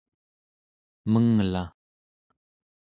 menglaᵉ